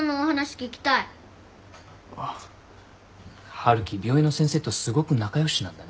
春樹病院の先生とすごく仲良しなんだね。